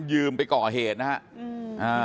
ยืมไปก่อเหตุนะครับ